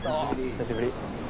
久しぶり。